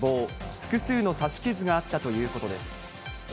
複数の刺し傷があったということです。